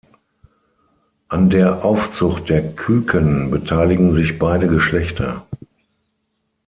An der Aufzucht der Küken beteiligen sich beide Geschlechter.